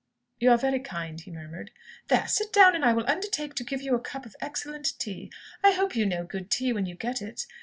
"You are very kind," he murmured. "There, sit down, and I will undertake to give you a cup of excellent tea. I hope you know good tea when you get it?